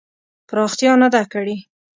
پراختیا نه ده کړې.